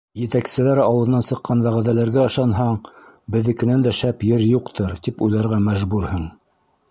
Етәкселәр ауыҙынан сыҡҡан вәғәҙәләргә ышанһаң, беҙҙекенән дә шәп ер юҡтыр, тип уйларға мәжбүрһең.